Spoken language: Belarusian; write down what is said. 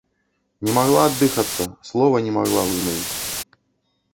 Не магла аддыхацца, слова не магла вымавіць.